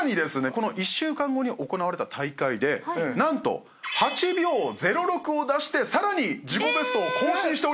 この１週間後に行われた大会でなんと８秒０６を出してさらに自己ベストを更新しております。